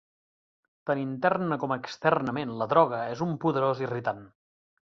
Tant interna com externament la droga és un poderós irritant.